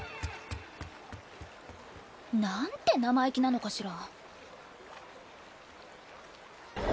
なんて生意気なのかしら。